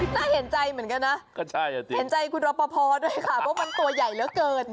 น่าเห็นใจเหมือนกันนะก็ใช่อ่ะสิเห็นใจคุณรอปภด้วยค่ะเพราะมันตัวใหญ่เหลือเกิน